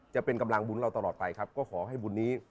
จะเป็นกำลังบุญเราตลอดไปครับก็ขอให้บุญนี้